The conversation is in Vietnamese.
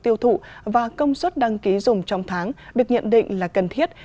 tiêu thụ và công suất đăng ký dùng trong tháng được nhận định là cần thiết